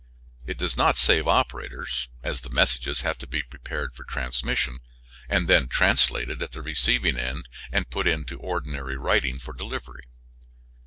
It does not save operators, as the messages have to be prepared for transmission, and then translated at the receiving end and put into ordinary writing for delivery.